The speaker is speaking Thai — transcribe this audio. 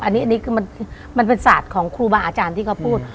อันนี้คือมันเป็นศาสตร์ของครูบาอาจารย์ที่เขาพูด